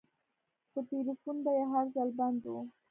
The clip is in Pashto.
خو ټېلفون به يې هر ځل بند و.